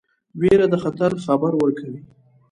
ویره د خطر خبر ورکوي.